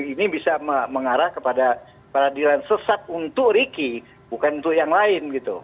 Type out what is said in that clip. ini bisa mengarah kepada peradilan sesat untuk ricky bukan untuk yang lain gitu